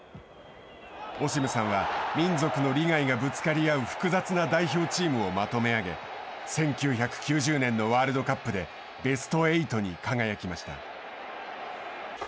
オシムさんは民族の利害がぶつかり合う複雑な代表チームをまとめあげ１９９０年のワールドカップでベスト８に輝きました。